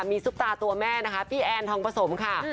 มีซุปตาตัวแม่นะคะพี่แอนทองผสมค่ะ